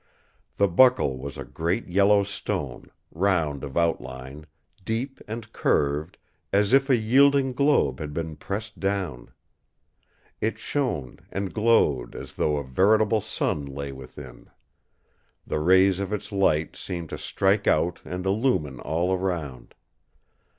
The buckle was a great yellow stone, round of outline, deep and curved, as if a yielding globe had been pressed down. It shone and glowed, as though a veritable sun lay within; the rays of its light seemed to strike out and illumine all round.